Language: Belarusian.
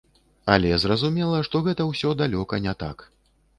Але зразумела, што гэта ўсё далёка не так.